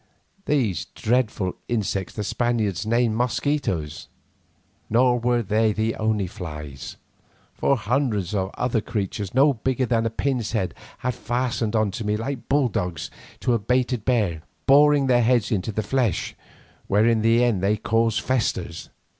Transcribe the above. These dreadful insects the Spaniards name mosquitoes. Nor were they the only flies, for hundreds of other creatures, no bigger than a pin's head, had fastened on to me like bulldogs to a baited bear, boring their heads into the flesh, where in the end they cause festers.